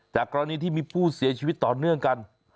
กรณีที่มีผู้เสียชีวิตต่อเนื่องกัน